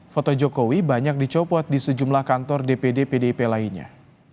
foto jokowi banyak dicopot di sejumlah kantor dpd pdip lainnya